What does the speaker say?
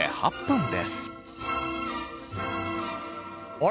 あれ？